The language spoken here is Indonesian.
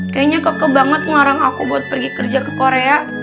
kayaknya keke banget ngelarang aku buat pergi kerja ke korea